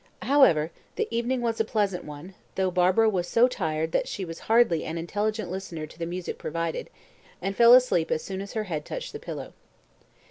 However, the evening was a pleasant one, though Barbara was so tired that she was hardly an intelligent listener to the music provided, and fell asleep as soon as her head touched the pillow.